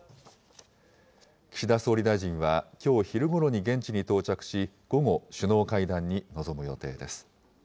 岸田総理大臣は、きょう昼ごろに現地に到着し、午後、首脳会談に臨む予定です。